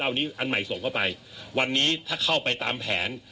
อันนี้อันใหม่ส่งเข้าไปวันนี้ถ้าเข้าไปตามแผน